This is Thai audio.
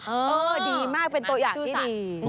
เออดีมากเป็นตัวอย่างที่ดี